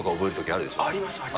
あります、あります。